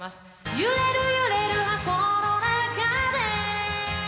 「揺れる揺れる箱の中で」